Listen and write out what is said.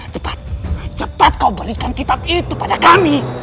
cepat cepat kau berikan kitab itu pada kami